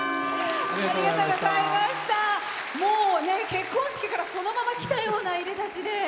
結婚式からそのまま来たようないでたちで。